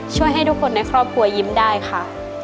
ช่วยให้ทุกคนในครอบครัวยิ้มได้ค่ะ